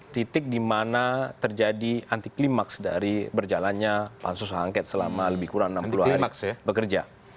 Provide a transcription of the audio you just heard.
titik di mana terjadi anti klimaks dari berjalannya pansus angket selama lebih kurang enam puluh hari bekerja